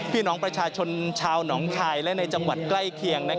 พี่น้องประชาชนชาวหนองคายและในจังหวัดใกล้เคียง